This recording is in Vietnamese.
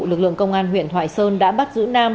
lực lượng công an huyện thoại sơn đã bắt giữ nam